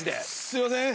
すいません。